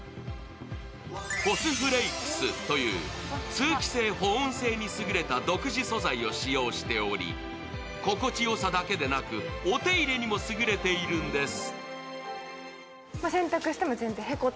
フォスフレイクスという通気性・保温性にすぐれた独自素材を使用しており心地よさだけでなくお手入れにも優れているんです。